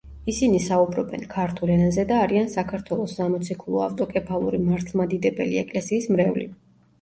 ისინი საუბრობენ ქართულ ენაზე და არიან საქართველოს სამოციქულო ავტოკეფალური მართლმადიდებელი ეკლესიის მრევლი.